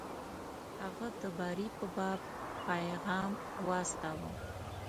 هغه د بري په باب پیغام واستاوه.